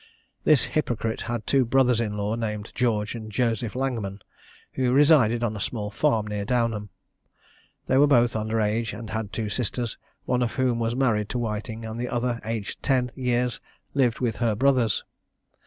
This hypocrite had two brothers in law, named George and Joseph Langman, who resided on a small farm near Downham. They were both under age, and had two sisters, one of whom was married to Whiting, and the other, aged ten years, lived with her brothers.